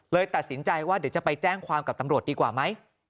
ตัดสินใจว่าเดี๋ยวจะไปแจ้งความกับตำรวจดีกว่าไหม